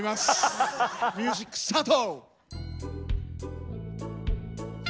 ミュージックスタート！